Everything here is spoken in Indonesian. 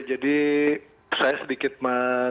jadi saya sedikit maafkan